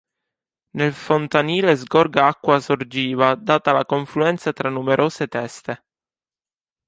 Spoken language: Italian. Nel fontanile sgorga acqua sorgiva data dalla confluenza tra numerose teste.